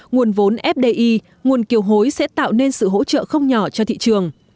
nguồn vốn fdi nguồn kiều hối sẽ tạo nên sự hỗ trợ không nhỏ cho thị trường